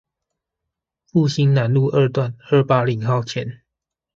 復興南路二段二八〇號前